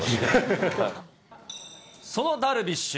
そのダルビッシュ。